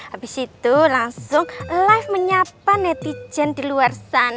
habis itu langsung live menyapa netizen di luar sana